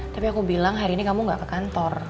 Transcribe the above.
tapi aku bilang hari ini kamu gak ke kantor